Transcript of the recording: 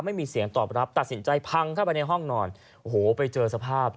ไม่มีเสียงตอบรับตัดสินใจพังเข้าไปในห้องนอนโอ้โหไปเจอสภาพ